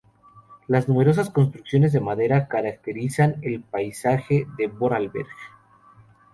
Las numerosas construcciones de madera caracterizan el paisaje de Vorarlberg.